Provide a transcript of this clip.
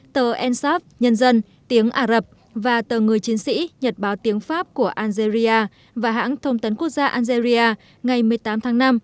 tờ ensaf nhân dân tiếng ả rập và tờ người chiến sĩ nhật báo tiếng pháp của algeria và hãng thông tấn quốc gia algeria ngày một mươi tám tháng năm